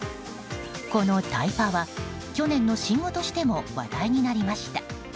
このタイパは去年の新語としても話題となりました。